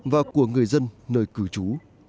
và của người dân nơi cử trú